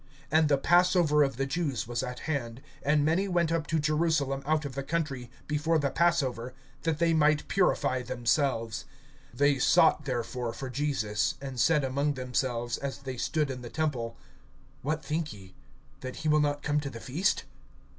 (55)And the passover of the Jews was at hand; and many went up to Jerusalem out of the country, before the passover, that they might purify themselves. (56)They sought therefore for Jesus, and said among themselves, as they stood in the temple: What think ye, that he will not come to the feast?